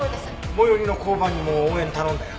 最寄りの交番にも応援頼んだよ。